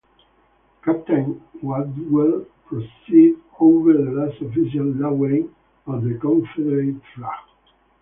Captain Waddell presided over the last official lowering of the Confederate flag.